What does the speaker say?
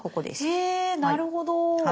へなるほど。